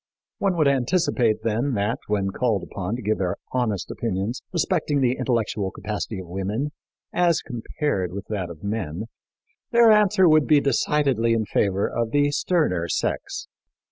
One would anticipate, then, that, when called upon to give their honest opinions respecting the intellectual capacity of women, as compared with that of men, their answer would be decidedly in favor of the sterner sex.